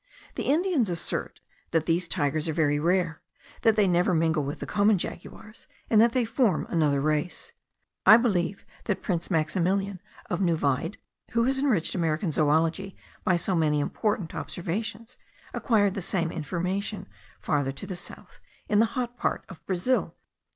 The Indians assert, that these tigers are very rare, that they never mingle with the common jaguars, and that they form another race. I believe that Prince Maximilian of Neuwied, who has enriched American zoology by so many important observations, acquired the same information farther to the south, in the hot part of Brazil.